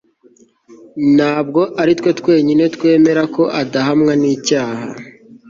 ntabwo ari twe twenyine twemera ko adahamwa n'icyaha